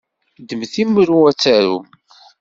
Ddmet imru ad tarum!